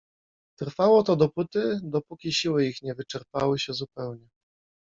Trwało to dopóty, dopóki siły ich nie wyczerpały się zupełnie.